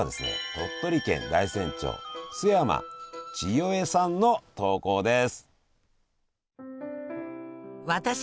鳥取県大山町陶山ちよえさんの投稿です。